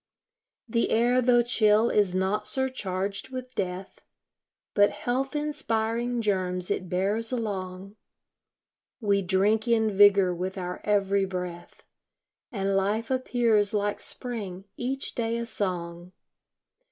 The air, tho' chill, is not surcharged with death, But health inspiring germs it bears along. We drink in vigor with our every breath, And life appears like spring, each day a song.